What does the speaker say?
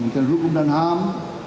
menteri hukum dan ham